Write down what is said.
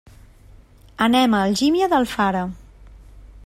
Anem a Algímia d'Alfara.